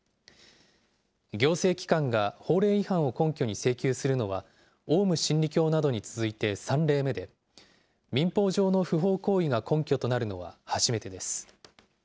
行政機関が法令違反を根拠に請求するのは、オウム真理教などに続いて３例目で、民法上の不法行為が根拠となるのは初めてです。